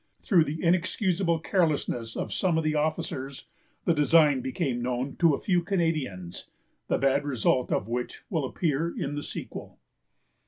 Through the inexcusable carelessness of some of the officers, the design became known to a few Canadians, the bad result of which will appear in the sequel.